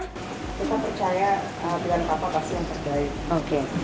kita percaya dengan kapal pasti yang terbaik